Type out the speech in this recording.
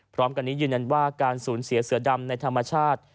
พร้อมกันนี้ยืนยันว่าการสูญเสียเสือดำในธรรมชาติ